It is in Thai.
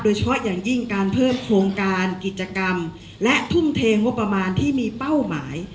เฉพาะอย่างยิ่งการเพิ่มโครงการกิจกรรมและทุ่มเทงบประมาณที่มีเป้าหมาย